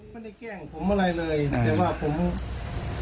แกล้งผมอะไรเลยแต่ว่าผม